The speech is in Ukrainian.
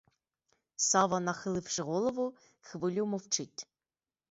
Сава, нахиливши голову, хвилю мовчить.